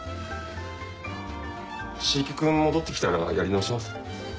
椎木君戻って来たらやり直します。